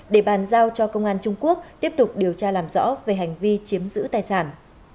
để bàn giao cho công an trung quốc tiếp tục điều tra làm rõ về hành vi chiếm giữ tài sản